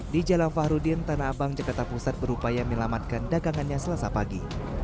di jalan fahrudin tanah abang jakarta pusat berupaya menyelamatkan dagangannya selasa pagi